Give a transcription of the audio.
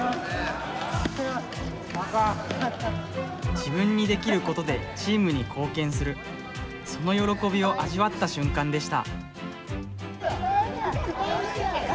自分に出来ることでチームに貢献するその喜びを味わった瞬間でした。